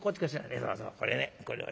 そうそうこれね。